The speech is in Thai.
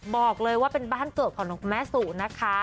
บอกเลยว่าเป็นบ้านเกิดของคุณแม่สุนะคะ